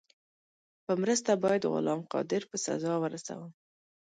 په مرسته باید غلام قادر په سزا ورسوم.